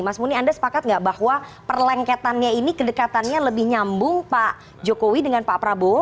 mas muni anda sepakat nggak bahwa perlengketannya ini kedekatannya lebih nyambung pak jokowi dengan pak prabowo